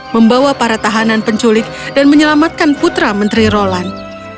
membawa para tahanan penculik dan menyelamatkan putra menteri roland